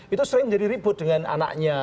itu sering menjadi ribut dengan anaknya